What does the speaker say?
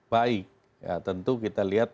baik ya tentu kita lihat